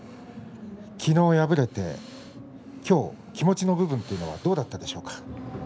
きのう敗れてきょう気持ちの部分というのはどうだったでしょうか。